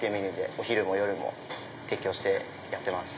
お昼も夜も提供してやってます。